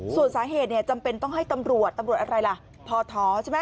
ส่วนสาเหตุเนี่ยจำเป็นต้องให้ตำรวจตำรวจอะไรล่ะพอท้อใช่ไหม